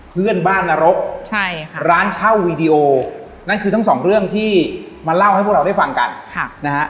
เพื่อนบ้านนรกร้านเช่าวีดีโอนั่นคือทั้งสองเรื่องที่มาเล่าให้พวกเราได้ฟังกันนะฮะ